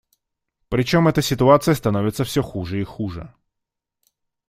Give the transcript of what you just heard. Причем эта ситуация становится все хуже и хуже.